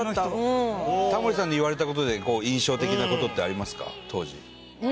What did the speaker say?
タモリさんに言われた事で印象的な事ってありますか当時。